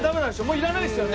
もういらないですよね？